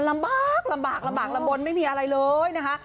มันลำบากไม่มีอะไรเลยนะคะ